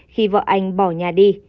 khi vợ anh bỏ nhà đi